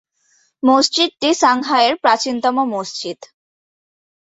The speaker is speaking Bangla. মসজিদটি সাংহাইয়ের প্রাচীনতম মসজিদ।